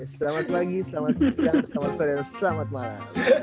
selamat pagi selamat siang selamat sore dan selamat malam